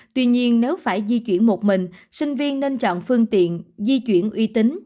tuy nhiên nếu phải di chuyển một mình sinh viên nên chọn phương tiện di chuyển uy tín